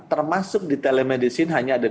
termasuk di telemedicine hanya ada